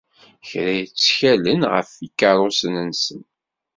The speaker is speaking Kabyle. Kra ttkalen ɣef yikeṛṛusen-nsen.